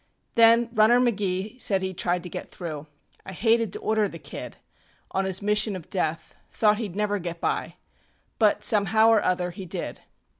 Then Runner McGee said heŌĆÖd try to get through. I hated to order the kid On his mission of death; thought heŌĆÖd never get by, But somehow or other he did.